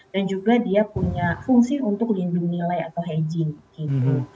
dan juga dia punya fungsi untuk lindung nilai atau hedging gitu